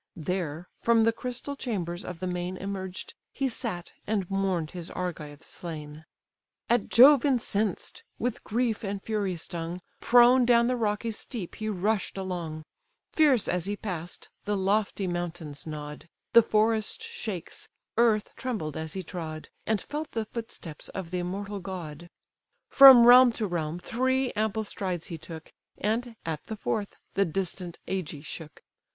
There, from the crystal chambers of the main Emerged, he sat, and mourn'd his Argives slain. At Jove incensed, with grief and fury stung, Prone down the rocky steep he rush'd along; Fierce as he pass'd, the lofty mountains nod, The forest shakes; earth trembled as he trod, And felt the footsteps of the immortal god. From realm to realm three ample strides he took, And, at the fourth, the distant Ægae shook.